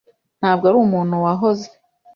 Ntabwo ari umuntu wahoze.